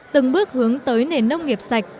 từng bước hướng tới nền nông nghiệp sạch